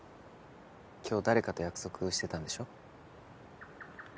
今日誰かと約束してたんでしょ？